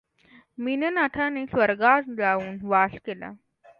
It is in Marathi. मीननाथानें स्वर्गास जाऊन वास केला.